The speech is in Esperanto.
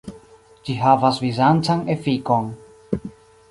Ĝi havas bizancan efikon.